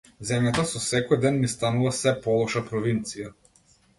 Земјата со секој ден ни станува сѐ полоша провинција.